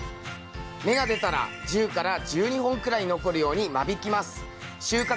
芽が出たら１０１２本くらい残るように間引きます。